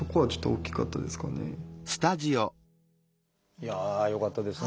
いやあよかったですね。